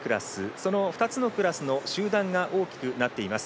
その２つの集団が大きくなっています。